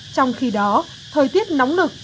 trong khi đó thời tiết nóng lực